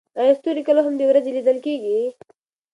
ایا ستوري کله هم د ورځې لیدل کیږي؟